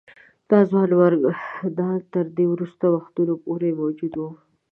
دا ځوانمردان تر دې وروستیو وختونو پورې موجود وه.